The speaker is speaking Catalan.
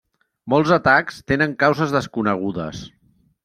Molts atacs tenen causes desconegudes.